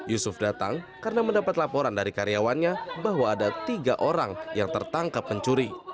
yusuf datang karena mendapat laporan dari karyawannya bahwa ada tiga orang yang tertangkap pencuri